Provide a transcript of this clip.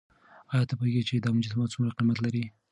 ایا ته پوهېږې چې دا مجسمه څومره قیمت لري؟